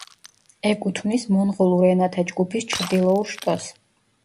ეკუთვნის მონღოლურ ენათა ჯგუფის ჩრდილოურ შტოს.